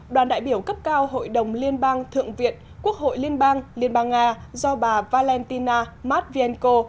đoàn đại biểu cấp cao hội đồng liên bang thượng viện quốc hội liên bang liên bang nga do bà valentina matvienko